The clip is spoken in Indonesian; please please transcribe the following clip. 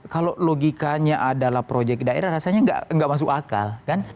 kalau logikanya adalah proyek daerah rasanya nggak masuk akal